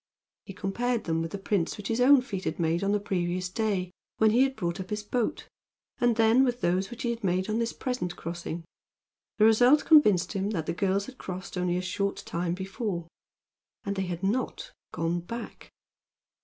He compared them with the prints which his own feet had made on the previous day, when he had brought up his boat, and then with those which he had made on this present crossing. The result convinced him that the girls had crossed only a short time before. And they had not gone back!